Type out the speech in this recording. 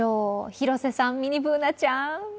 広瀬さん、ミニＢｏｏｎａちゃん。